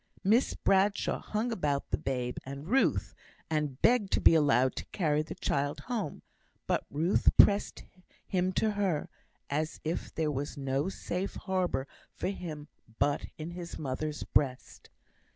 Miss Bradshaw hung about the babe and Ruth, and begged to be allowed to carry the child home, but Ruth pressed him to her, as if there was no safe harbour for him but in his mother's breast.